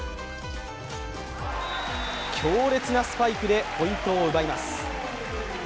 強烈なスパイクでポイントを奪います。